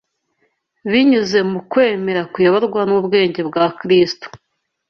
binyuze mu kwemera kuyoborwa n’ubwenge bwa Kristo